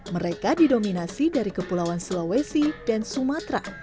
mereka didominasi dari kepulauan sulawesi dan sumatera